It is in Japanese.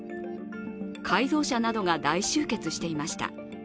改造車などが大集結していました。